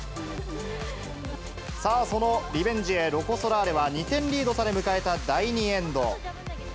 さあ、そのリベンジへ、ロコ・ソラーレは２点リードされ迎えた第２エンド。